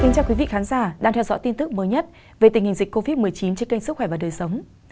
chào quý vị khán giả đang theo dõi tin tức mới nhất về tình hình dịch covid một mươi chín trên kênh sức khỏe và đời sống